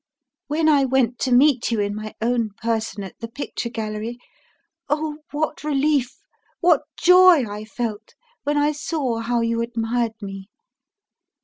When I went to meet you in my own person at the picture gallery, oh, what relief, what joy I felt when I saw how you admired me!